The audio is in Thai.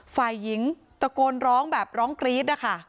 ฝ่ายหญิงตะโกนร้องแบบร้องกรี๊ดนะคะ